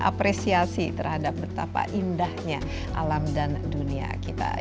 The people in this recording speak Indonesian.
apresiasi terhadap betapa indahnya alam dan dunia kita